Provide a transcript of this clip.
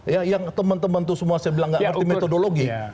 ya yang teman teman itu semua saya bilang nggak ngerti metodologi